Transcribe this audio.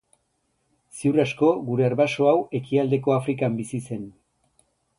Ziur asko, gure arbaso hau ekialdeko Afrikan bizi zen.